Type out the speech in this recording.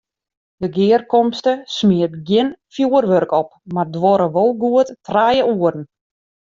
De gearkomste smiet gjin fjoerwurk op, mar duorre wol goed trije oeren.